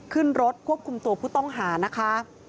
ขึ้นรถควบคุมตัวผู้ต้องหานะคะ